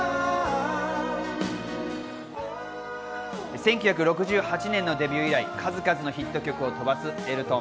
１９６８年のデビュー以来、数々のヒット曲を飛ばすエルトン。